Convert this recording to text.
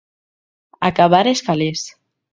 Acabar els calés.